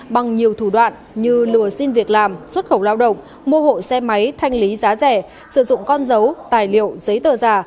hai nghìn một mươi tám bằng nhiều thủ đoạn như lừa xin việc làm xuất khẩu lao động mua hộ xe máy thanh lý giá rẻ sử dụng con dấu tài liệu giấy tờ giả